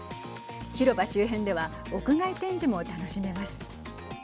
広場周辺では屋外展示も楽しめます。